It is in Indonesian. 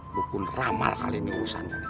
mungkin ramal kali ini urusannya